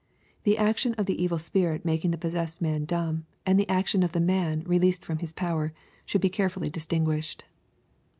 The action of the evil spirit . making the possessed man dumb, and the action of the man released from his power, should be carefully distinguished.